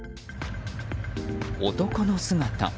男の姿。